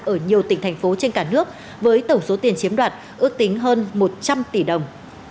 ở nhiều tỉnh thành phố trên cả nước với tổng số tiền chiếm đoạt ước tính hơn một trăm linh tỷ đồng